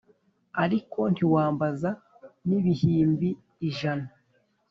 Ariko ntiwambaza nibihimbi ijana